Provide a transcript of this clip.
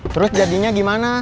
terus jadinya gimana